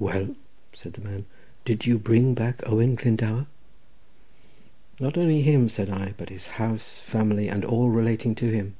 "Well," said the man, "did you bring back Owen Glendower?" "Not only him," said I, "but his house, family, and all relating to him."